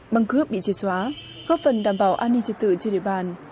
băng cướp bị chế xóa góp phần đảm bảo an ninh trả tự trên địa bàn